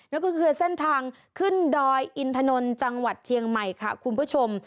นั่นก็คือเส้นทางขึ้นดอยอินถนนจังหวัดเชียงใหม่ค่ะคุณผู้ชม